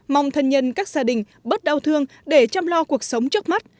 mong thân nhân các gia đình bớt đau thương để chăm lo cuộc sống trước mắt